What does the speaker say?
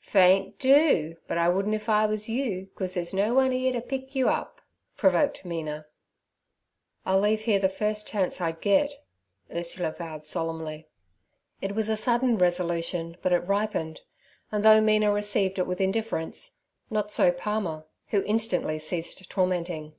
'Faint, do; but I wouldn't if I was you, 'cause ther's no one 'ere t' pick you up' provoked Mina. 'I'll leave here the first chance I get' Ursula vowed solemnly. It was a sudden resolution, but it ripened; and though Mina received it with indifference, not so Palmer, who instantly ceased tormenting.